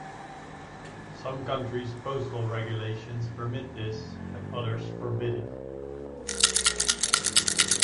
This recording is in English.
Some countries' postal regulations permit this and others forbid it.